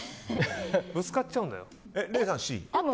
ぶつかっちゃうんだよ。